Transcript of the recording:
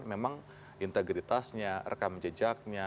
memang integritasnya rekam jejaknya